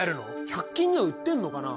百均には売ってんのかな。